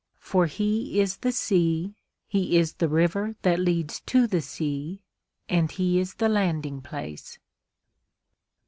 For he is the sea, he is the river that leads to the sea, and he is the landing place.